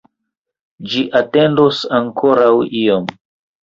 Ĝi atendos ankoraŭ iom.